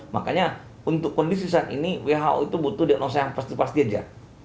makanya untuk kondisi saat ini who itu butuh diagnosa yang pasti pasti aja